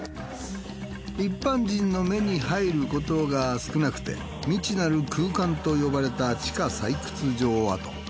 一般人の目に入ることが少なくて未知なる空間と呼ばれた地下採掘場跡。